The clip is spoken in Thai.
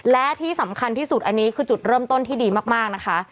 และที่สำคัญที่สุดอันนี้คือจุดเริ่มต้นที่ดีมากนะคะ